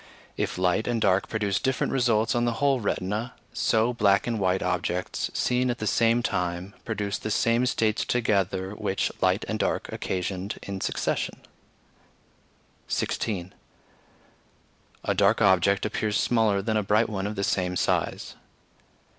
If light and dark produce different results on the whole retina, so black and white objects seen at the same time produce the same states together which light and dark occasioned in succession. 16. A dark object appears smaller than a bright one of the same size.